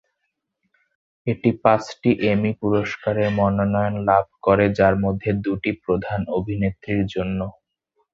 এটি পাঁচটি এমি পুরস্কারের মনোনয়ন লাভ করে, যার মধ্যে দুটি প্রধান অভিনেত্রীর জন্য।